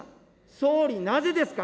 総理、なぜですか。